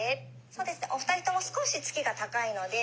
そうですねお二人とも少し突きが高いので」。